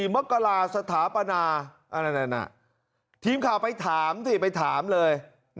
มกราสถาปนาทีมข่าวไปถามสิไปถามเลย